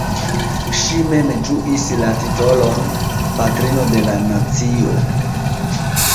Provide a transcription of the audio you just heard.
Ŝi mem ĝuis la titolon "Patrino de la Nacio".